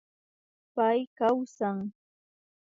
Pay kawsan